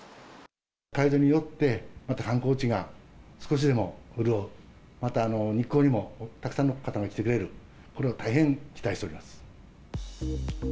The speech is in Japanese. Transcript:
解除によって、また観光地が少しでも潤う、また日光にもたくさんの方が来てくれる、これを大変期待しております。